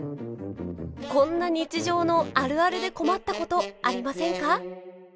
こんな日常のあるあるで困ったことありませんか？